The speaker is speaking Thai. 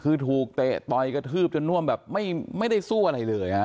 คือถูกเตะต่อยกระทืบจนน่วมแบบไม่ได้สู้อะไรเลยฮะ